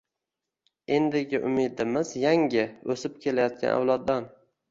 Endigi umidimiz yangi – o‘sib kelayotgan avloddan.